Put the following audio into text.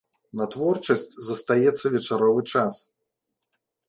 На творчасць застаецца вечаровы час.